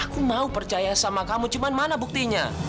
aku mau percaya sama kamu cuma mana buktinya